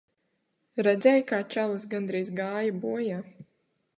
Redzēji, kā čalis gandrīz gāja bojā.